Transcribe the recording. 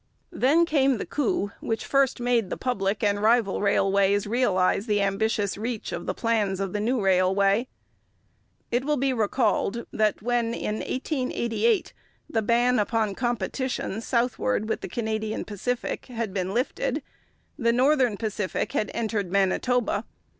Then came the coup which first made the public and rival railways realize the ambitious reach of the plans of the new railway. It will be recalled that when, in 1888, the ban upon competition southward with the Canadian Pacific had been lifted, the Northern Pacific had entered Manitoba.